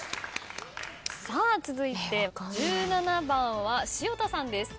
さあ続いて１７番は潮田さんです。